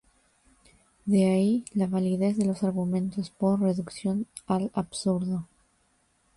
De ahí la validez de los argumentos por reducción al absurdo.